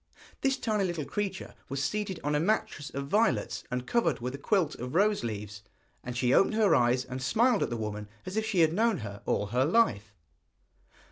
This tiny little creature was seated on a mattress of violets, and covered with a quilt of rose leaves, and she opened her eyes and smiled at the woman as if she had known her all her life.